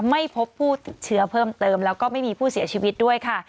ไม่พบผู้ติดเชื้อเพิ่มเติมแล้วก็ไม่มีผู้เสียชีวิตด้วยค่ะ